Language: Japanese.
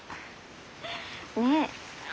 ねえ。